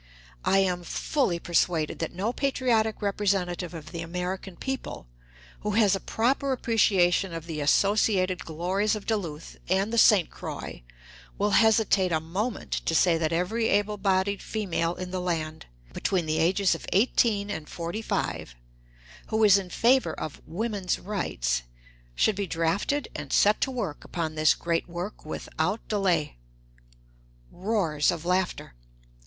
I am fully persuaded that no patriotic representative of the American people, who has a proper appreciation of the associated glories of Duluth and the St. Croix, will hesitate a moment to say that every able bodied female in the land, between the ages of eighteen and forty five, who is in favor of "women's rights" should be drafted and set to work upon this great work without delay. (Roars of laughter.)